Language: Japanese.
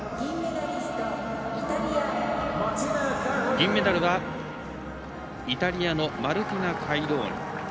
銀メダルはイタリアのマルティナ・カイローニ。